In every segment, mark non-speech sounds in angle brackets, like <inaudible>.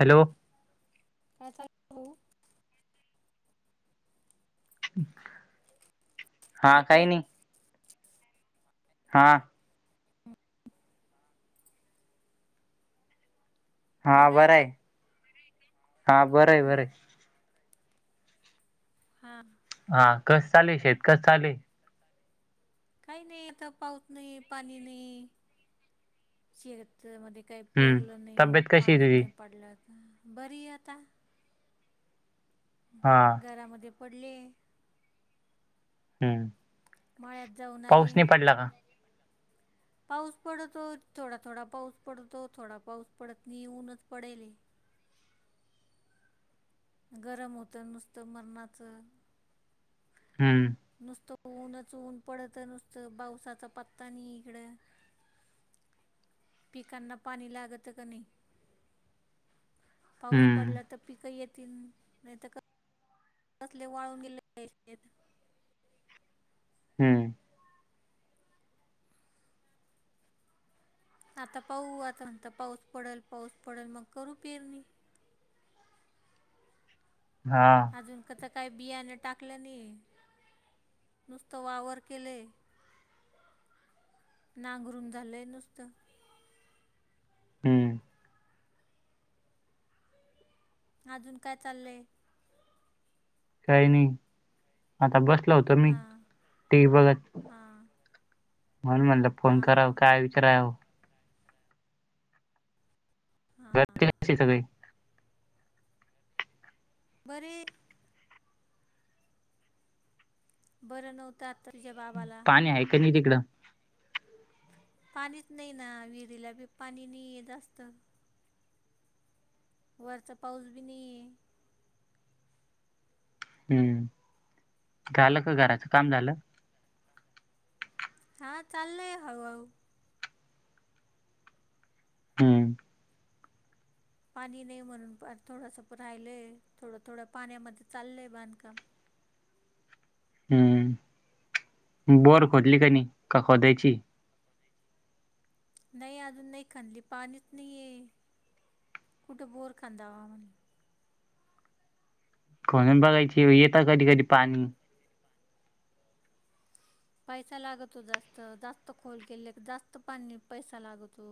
Hello काय चाललंय हा हॅलो काही नाही हा हा बरं आहे हा बरं आहे बरं आहे हा हा कस चालेल शेतकस चालेल काही नाही आता पाऊस नाही पाणी नाही शेत मध्ये काही हम्म. पेरलं नाही तब्येत कशी आहे पाऊस तुझी? नाही पडला आता बरी आता हा घरामध्ये पडले हम्म. मळ्यात जाऊन पाऊस आले नाही पडला का? पाऊस पडतो थोडा थोडा पाऊस पडतो थोडा पाऊस पडत नाहीऊनच पडेल गरम होतं नुसतं मरणाचं हम्म नुसतं ऊनच ऊन पडत नुसतं पावसाचा पत्ता नाही इकडं पिकांना पाणी लागतं का नाही पाऊस हम्म. पडला तर पीिक येतील नाही तर कसले वाळून गेले शेत हम्म आता पाह आता म्हणता पाऊस पडल पाऊस पडल मग करू पेरणी हा अजून कस काही बियाण टाकलं नाही नुसते वावर केले नांगरूम झालंय नुसतं हम्म अजून काय चाललंय काही नाही आता बसला होत मी हां तेी बघत हां म्हण म्हटलं फोन कराव हां काय विचारा हां घरती न सगळी बरे बरं नव्हतं आता तुझ्या बाबाला कानी तिकडं पाणीच नाही ना विहिरीलाी पाणी नाही जास्त वरचा पाऊस बी नाही आहे हम्म झालं का घराचं काम झालं हां ले होऊ आ. हम्म पाणी नाही म्हणून थोडंसं राहिलंय थोडं थोडं पाण्यामध्ये चाललंय बांधकाम. हम्म बर खोदली का नाही का खोदायची. नाही अजून नाही खनली पाणीच नाहीये. गुठ बोर कंदा होवा म्हण. खणून बघायची येेत कधी कधी पाणी. पैसा लागतो जास्त जास्त खोल केले जास्त पाणी पैसा लागतो.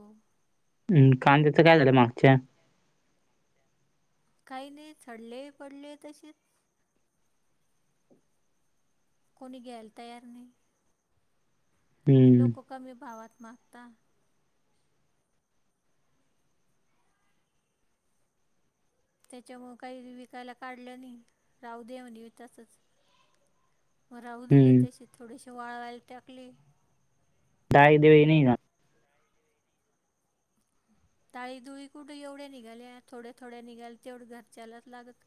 हम् कांद्याचं काय झालं मागच्या. काही नाही झडले पडले तशीच. कोणी घ्यायला तयार नाही. हम्म लोक कमी भावात मागतात. त्याच्यामु काही विकायला काढलं नाही राहू देवन तसच. राहू दिले हम्म तसे थोडेसे वाळवायल टाकले. दा देेव नाही ना. ताळी दुळी कुठे एवढ्या निघाल्या थोड्या थोड्या निघाल तेवढ्या घरच्यालाच लागत.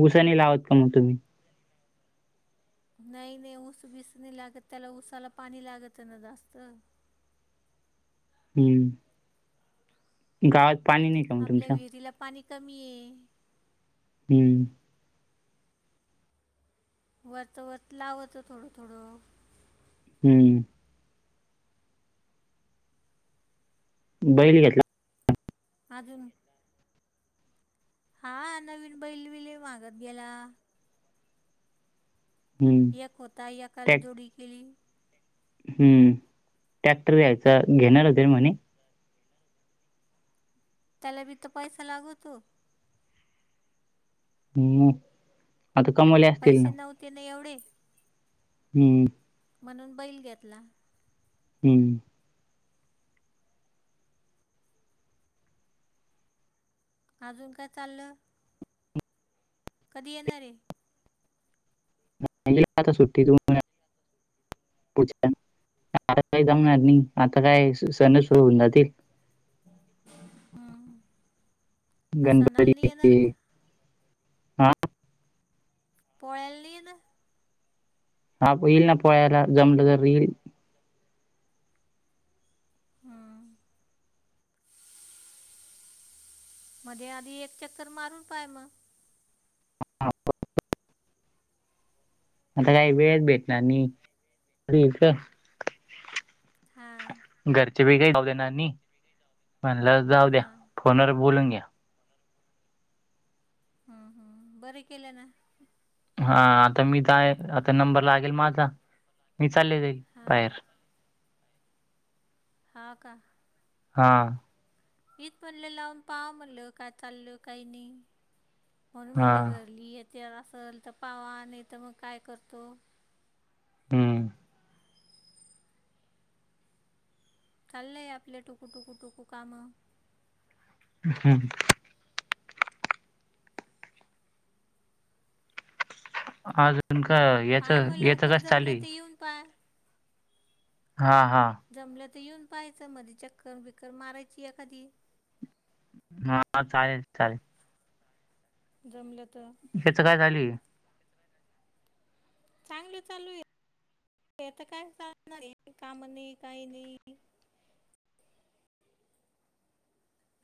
उऊसानी लावत का मग तुम्ही. नाही नाही ऊस बिस नाही लागत त्याला ऊसाला पाणी लागत ना जास्त. हम्म गा आपल्या विहिरीला पाणी कमी ये. हम्म वतवत लावतो थोडं थोडं. हम्म बैली घेतला. अजून. हा नवीन बैल विले मागत गेला. हम्म एक होता याकाल टॅक जोडी केली. हम्म टॅक्टर दयचा घेणार होते म्हणे त्याला बी त पैसा लागवतो. हम्म अध का मु. पैसे नव्हते ना एवढे. हम म्हणून बैल घेतला. हम्म अजून काय चाललं. कधी येणारे. म्ह आता सुट्टी तू. काही जांगणार नाही आता काय सण सुर होऊन जातील. हम्म गणपती होसानालली येणारार हे. का. हा पोळ्याला नाही येणार. हा येईल ना पोहायला जमलं तररी येईल. हां मध्ये आधी एक चक्कर मारून पाय मग. <unintelligible> आता काही वेळच भेटणार नाही. हां. घरचे बी का जाऊ द्या नानी म्हणलं जाऊ द्या हां फोनवर बोलून घ्या. हम् हम् बरे केले ना. हा आता मी जाय आता नंबर लागेल माझा मी चालले तई हां बाहेर. हा का. हा. इथ म्हणलं लावून पाहा म्हणल काय चालल काही नाही. म्हणून हा मला घरली येेत असल तर पावा नाही तर मग काय करतो. हम्म खाल्लंय आपले टुकू-टुकू-टुकू कामं. हम्. अजून का याच याच कास चाली. पिऊन पार. हा हा. जमलं तर येऊन पाहायचं मध्ये चक्कर बकर मारायची एखादी. हा चालेल चालेल. जमलं तर. याच काय झाली? चांगलं चालू आहेता काय चालणार काम नाही काही नाही.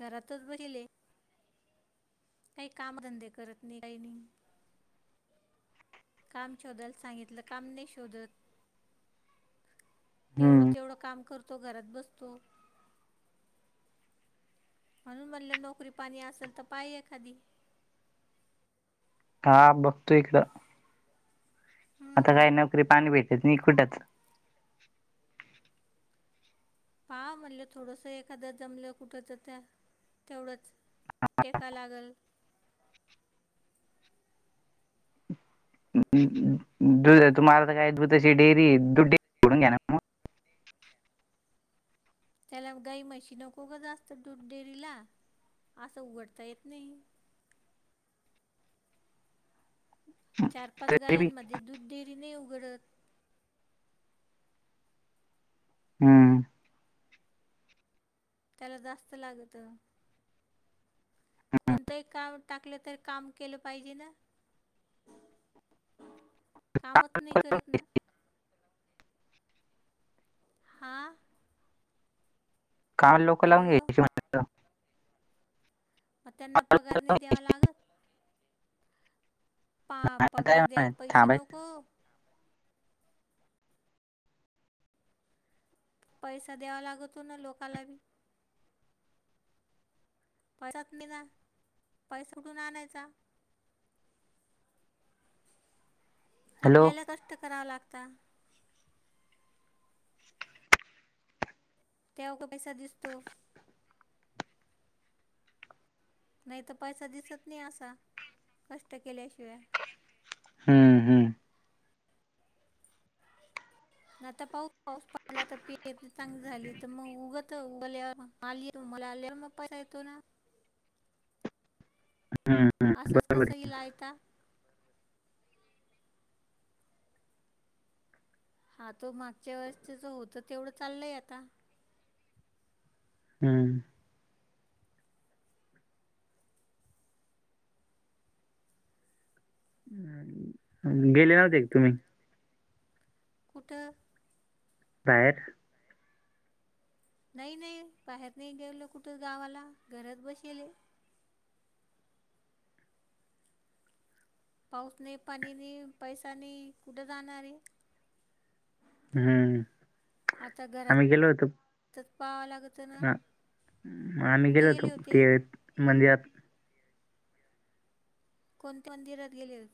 घरातच बरल आहे. काही कामधंदे करत नाही काही नाही. काम शोधाल सांगितलं काम नाही शोधत. <inaudible> एवढं हम्म तेवढं काम करतो घरात बसतो. म्हणून म्हणलं नोकरी पाणी असेल तर पाहि एखादी. हा बघतोयदां. आता हम्म काय नकरी पाणी भेटत न कुटच. पाहा म्हणलं थोडंसं एखादं जमलं कुठच त्या तेवढंच. टेका लागल. दध तुम्हाला तर काय दुध तशी डेअरी दुध डेडून घ्या ना. मग त्याला गाई मशीनं खोकं असतं दूध डेरीला असं उघडता येत नाही. चार पाच तरी बी गायांमध्ये दूध डेरीने उघडत. हम्म. त्याला जास्त लागत कोणतंही काम. टाकलं तर काम केलं पाहिजे ना. कामच नाही करत ना. हा. काम लोक हॅलो लावून यायची. मग त्यांना पगारने द्यावा लागल? पा पगार आता काय द्याल पैसे थांबायचं नको. पैसा द्यावा लागत तो ना लोकांला. पैसच नाही ना पैसा उठून आणायचा. हॅलो आपल्याला कष्ट कराव लागत. तेव्हा का पैसा दिसतो. नाही तर पैसा दिसत नाही असा कष्ट केल्याशिवाय. हम्म हम्. <inaudible> आता पाऊस पाऊस पडला तर पी चांगली झाली तर मग उगत उगल्या. आली मला आलीवर मग पैसा येतो ना. हम्म. असच कसंहीलायता. हा तो मागच्या वेळेस त्याचं होत तेवढं चाललय आता. हम्म. <inaudible> गेले नव्हते तुम्ही. कुठं? बाहेर नाही नाही बाहेर नाही गेवलं कुठं गावाला घरात बसेल पाऊसने पाणीने पैसाने कुठे जाणारे हम्म आम्ही गेलो होतो त पाहाव लागत हा आम्ही गेलो होतो गेले होते ते मंदिरात कोणत्या मंदिरात गेले हो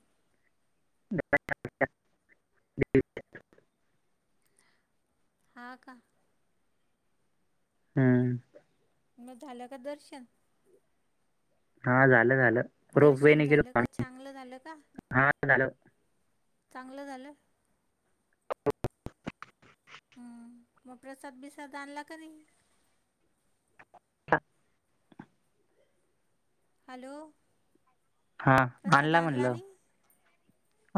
हा का हम्म मग झालं का दर्शन हा झालं झालं रोप वे दर्शन नि केील झालं पा का चांगलं झालं का हा झालं चांगलं झालं ह मग प्रसाद विसााद आण आणला कररीी ह हॅलो हां, प्रसाद आणला म्हणलं. नि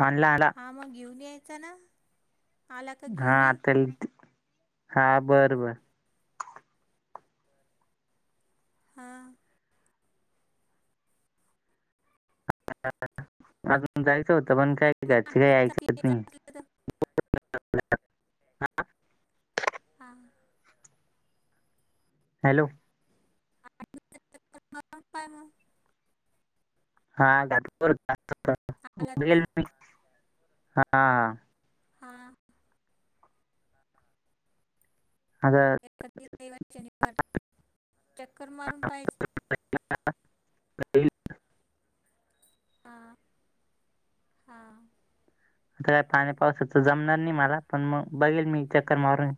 आणला, आणला. हा मग घेऊन यायचा ना आला का घेऊन ये हाता हा बरं बर हां अजून जायचं होतं पण काय अरे घचे मग आठ काही दिवसात ऐकत यायचं नाही असलं तर हां हा हॅलो काय मग हा आला तर हा हा अ ए आणि शनिवार चक्कर मारून पाहिजे का हा हा आता काय पाणी पावस तर जमणार नाही मला पण मग बघेल मी चक्कर मारून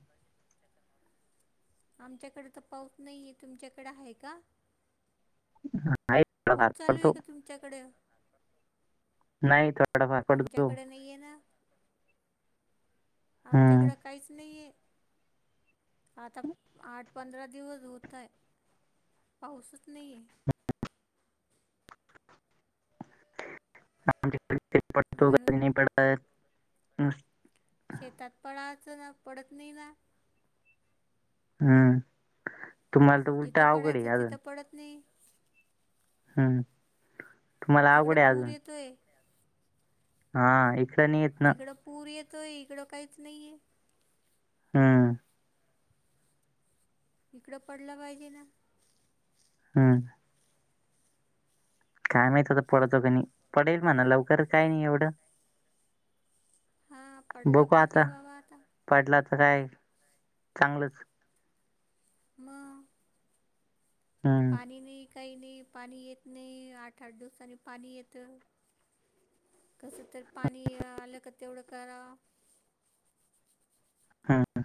आमच्याकडे तर पाऊस नाहीय तुमच्याकडे आहे का हा खूप चालू आहे का तुमच्याकडे नाही थोडाफार पडतो. आमच्याकडे नाहीये ना हम्म. आमच्याकडं काहीच नाहीये आता आठ पंधरा दिवस होत आहे पाऊसच नाहीये ो म्हणून पडत शेतात पडायचं ना पडत नाही ना हम्म तुम्हाला तर उलट जिथं अवघड पडायचं अजून तिथं पडत नाही हम् तिकडं पूर येतो आहे हा इक नाहीेत तिकडं पूर येतोय इकडं काहीच नाहीये हम्म इकडं पडलं पाहिजे ना हम्म काय मात तर पडतो का नाही पडेल म्हणा लवकर काय नाही एवढं हा. बघु आता पडलातर हाय चांगलंच. म.. हम्म. पाणी नाही काही नाही पाणी येत नाही आठ, आठ दिवसांनी पाणी येत. कसं तर पाणी आलं का तेवढं कराव. हम्म.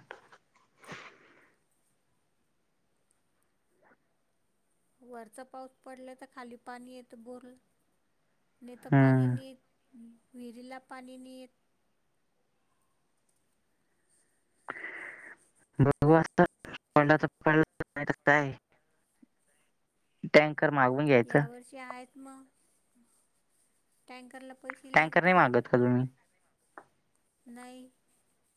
वरचा पाऊस पडला तर खाली पाणी येतं बोरल नाही तर पाणी हम्म. नाहीेत.. विहिरीला पाणी नियेत. बघु असता पडला तर पडला.. काय कताय? टँकर मागून घ्यायचं. ते आहेत मग टँकरला पैसे लागतात. फलुमही. नाही‌.